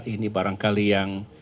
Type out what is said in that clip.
ini barangkali yang